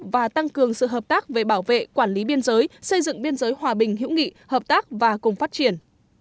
và tăng cường sự hợp tác về bảo vệ quản lý biên giới xây dựng biên giới hòa bình hữu nghị hợp tác và cùng phát triển